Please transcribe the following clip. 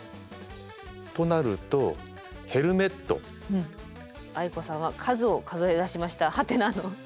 となると藍子さんは数を数えだしましたはてなの。